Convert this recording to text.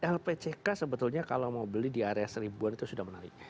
lpck sebetulnya kalau mau beli di area seribuan itu sudah menarik